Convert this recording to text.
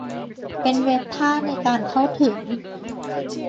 เป็นเว็บท่าในการเข้าถึง